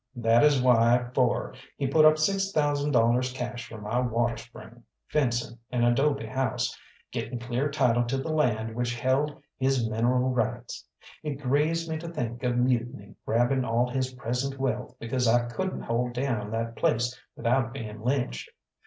That is why for he put up six thousand dollars cash for my water spring, fencing, and adobe house, getting clear title to the land which held his mineral rights. It grieves me to think of Mutiny grabbing all his present wealth because I couldn't hold down that place without being lynched.